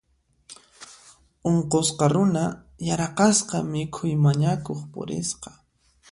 Unqusqa runa yaraqasqa mikhuy mañakuq purisqa.